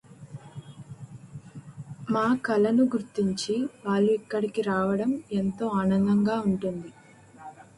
మా కళను గుర్తించి వాళ్ళు ఇక్కడికి రావడం ఎంతో ఆనందంగా ఉంటుంది.